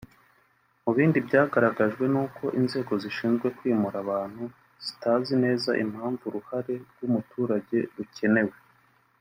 Mu bindi byagaragajwe ni uko inzego zishinzwe kwimura abantu zitazi neza impamvu uruhare rw’umuturage rukenewe